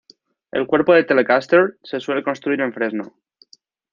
El cuerpo de la Telecaster se suele construir en fresno.